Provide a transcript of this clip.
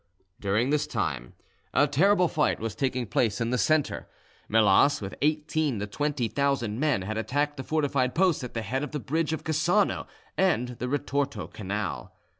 During this time a terrible fight was taking place in the centre. Melas with eighteen to twenty thousand men had attacked the fortified posts at the head of the bridge of Cassano and the Ritorto Canal.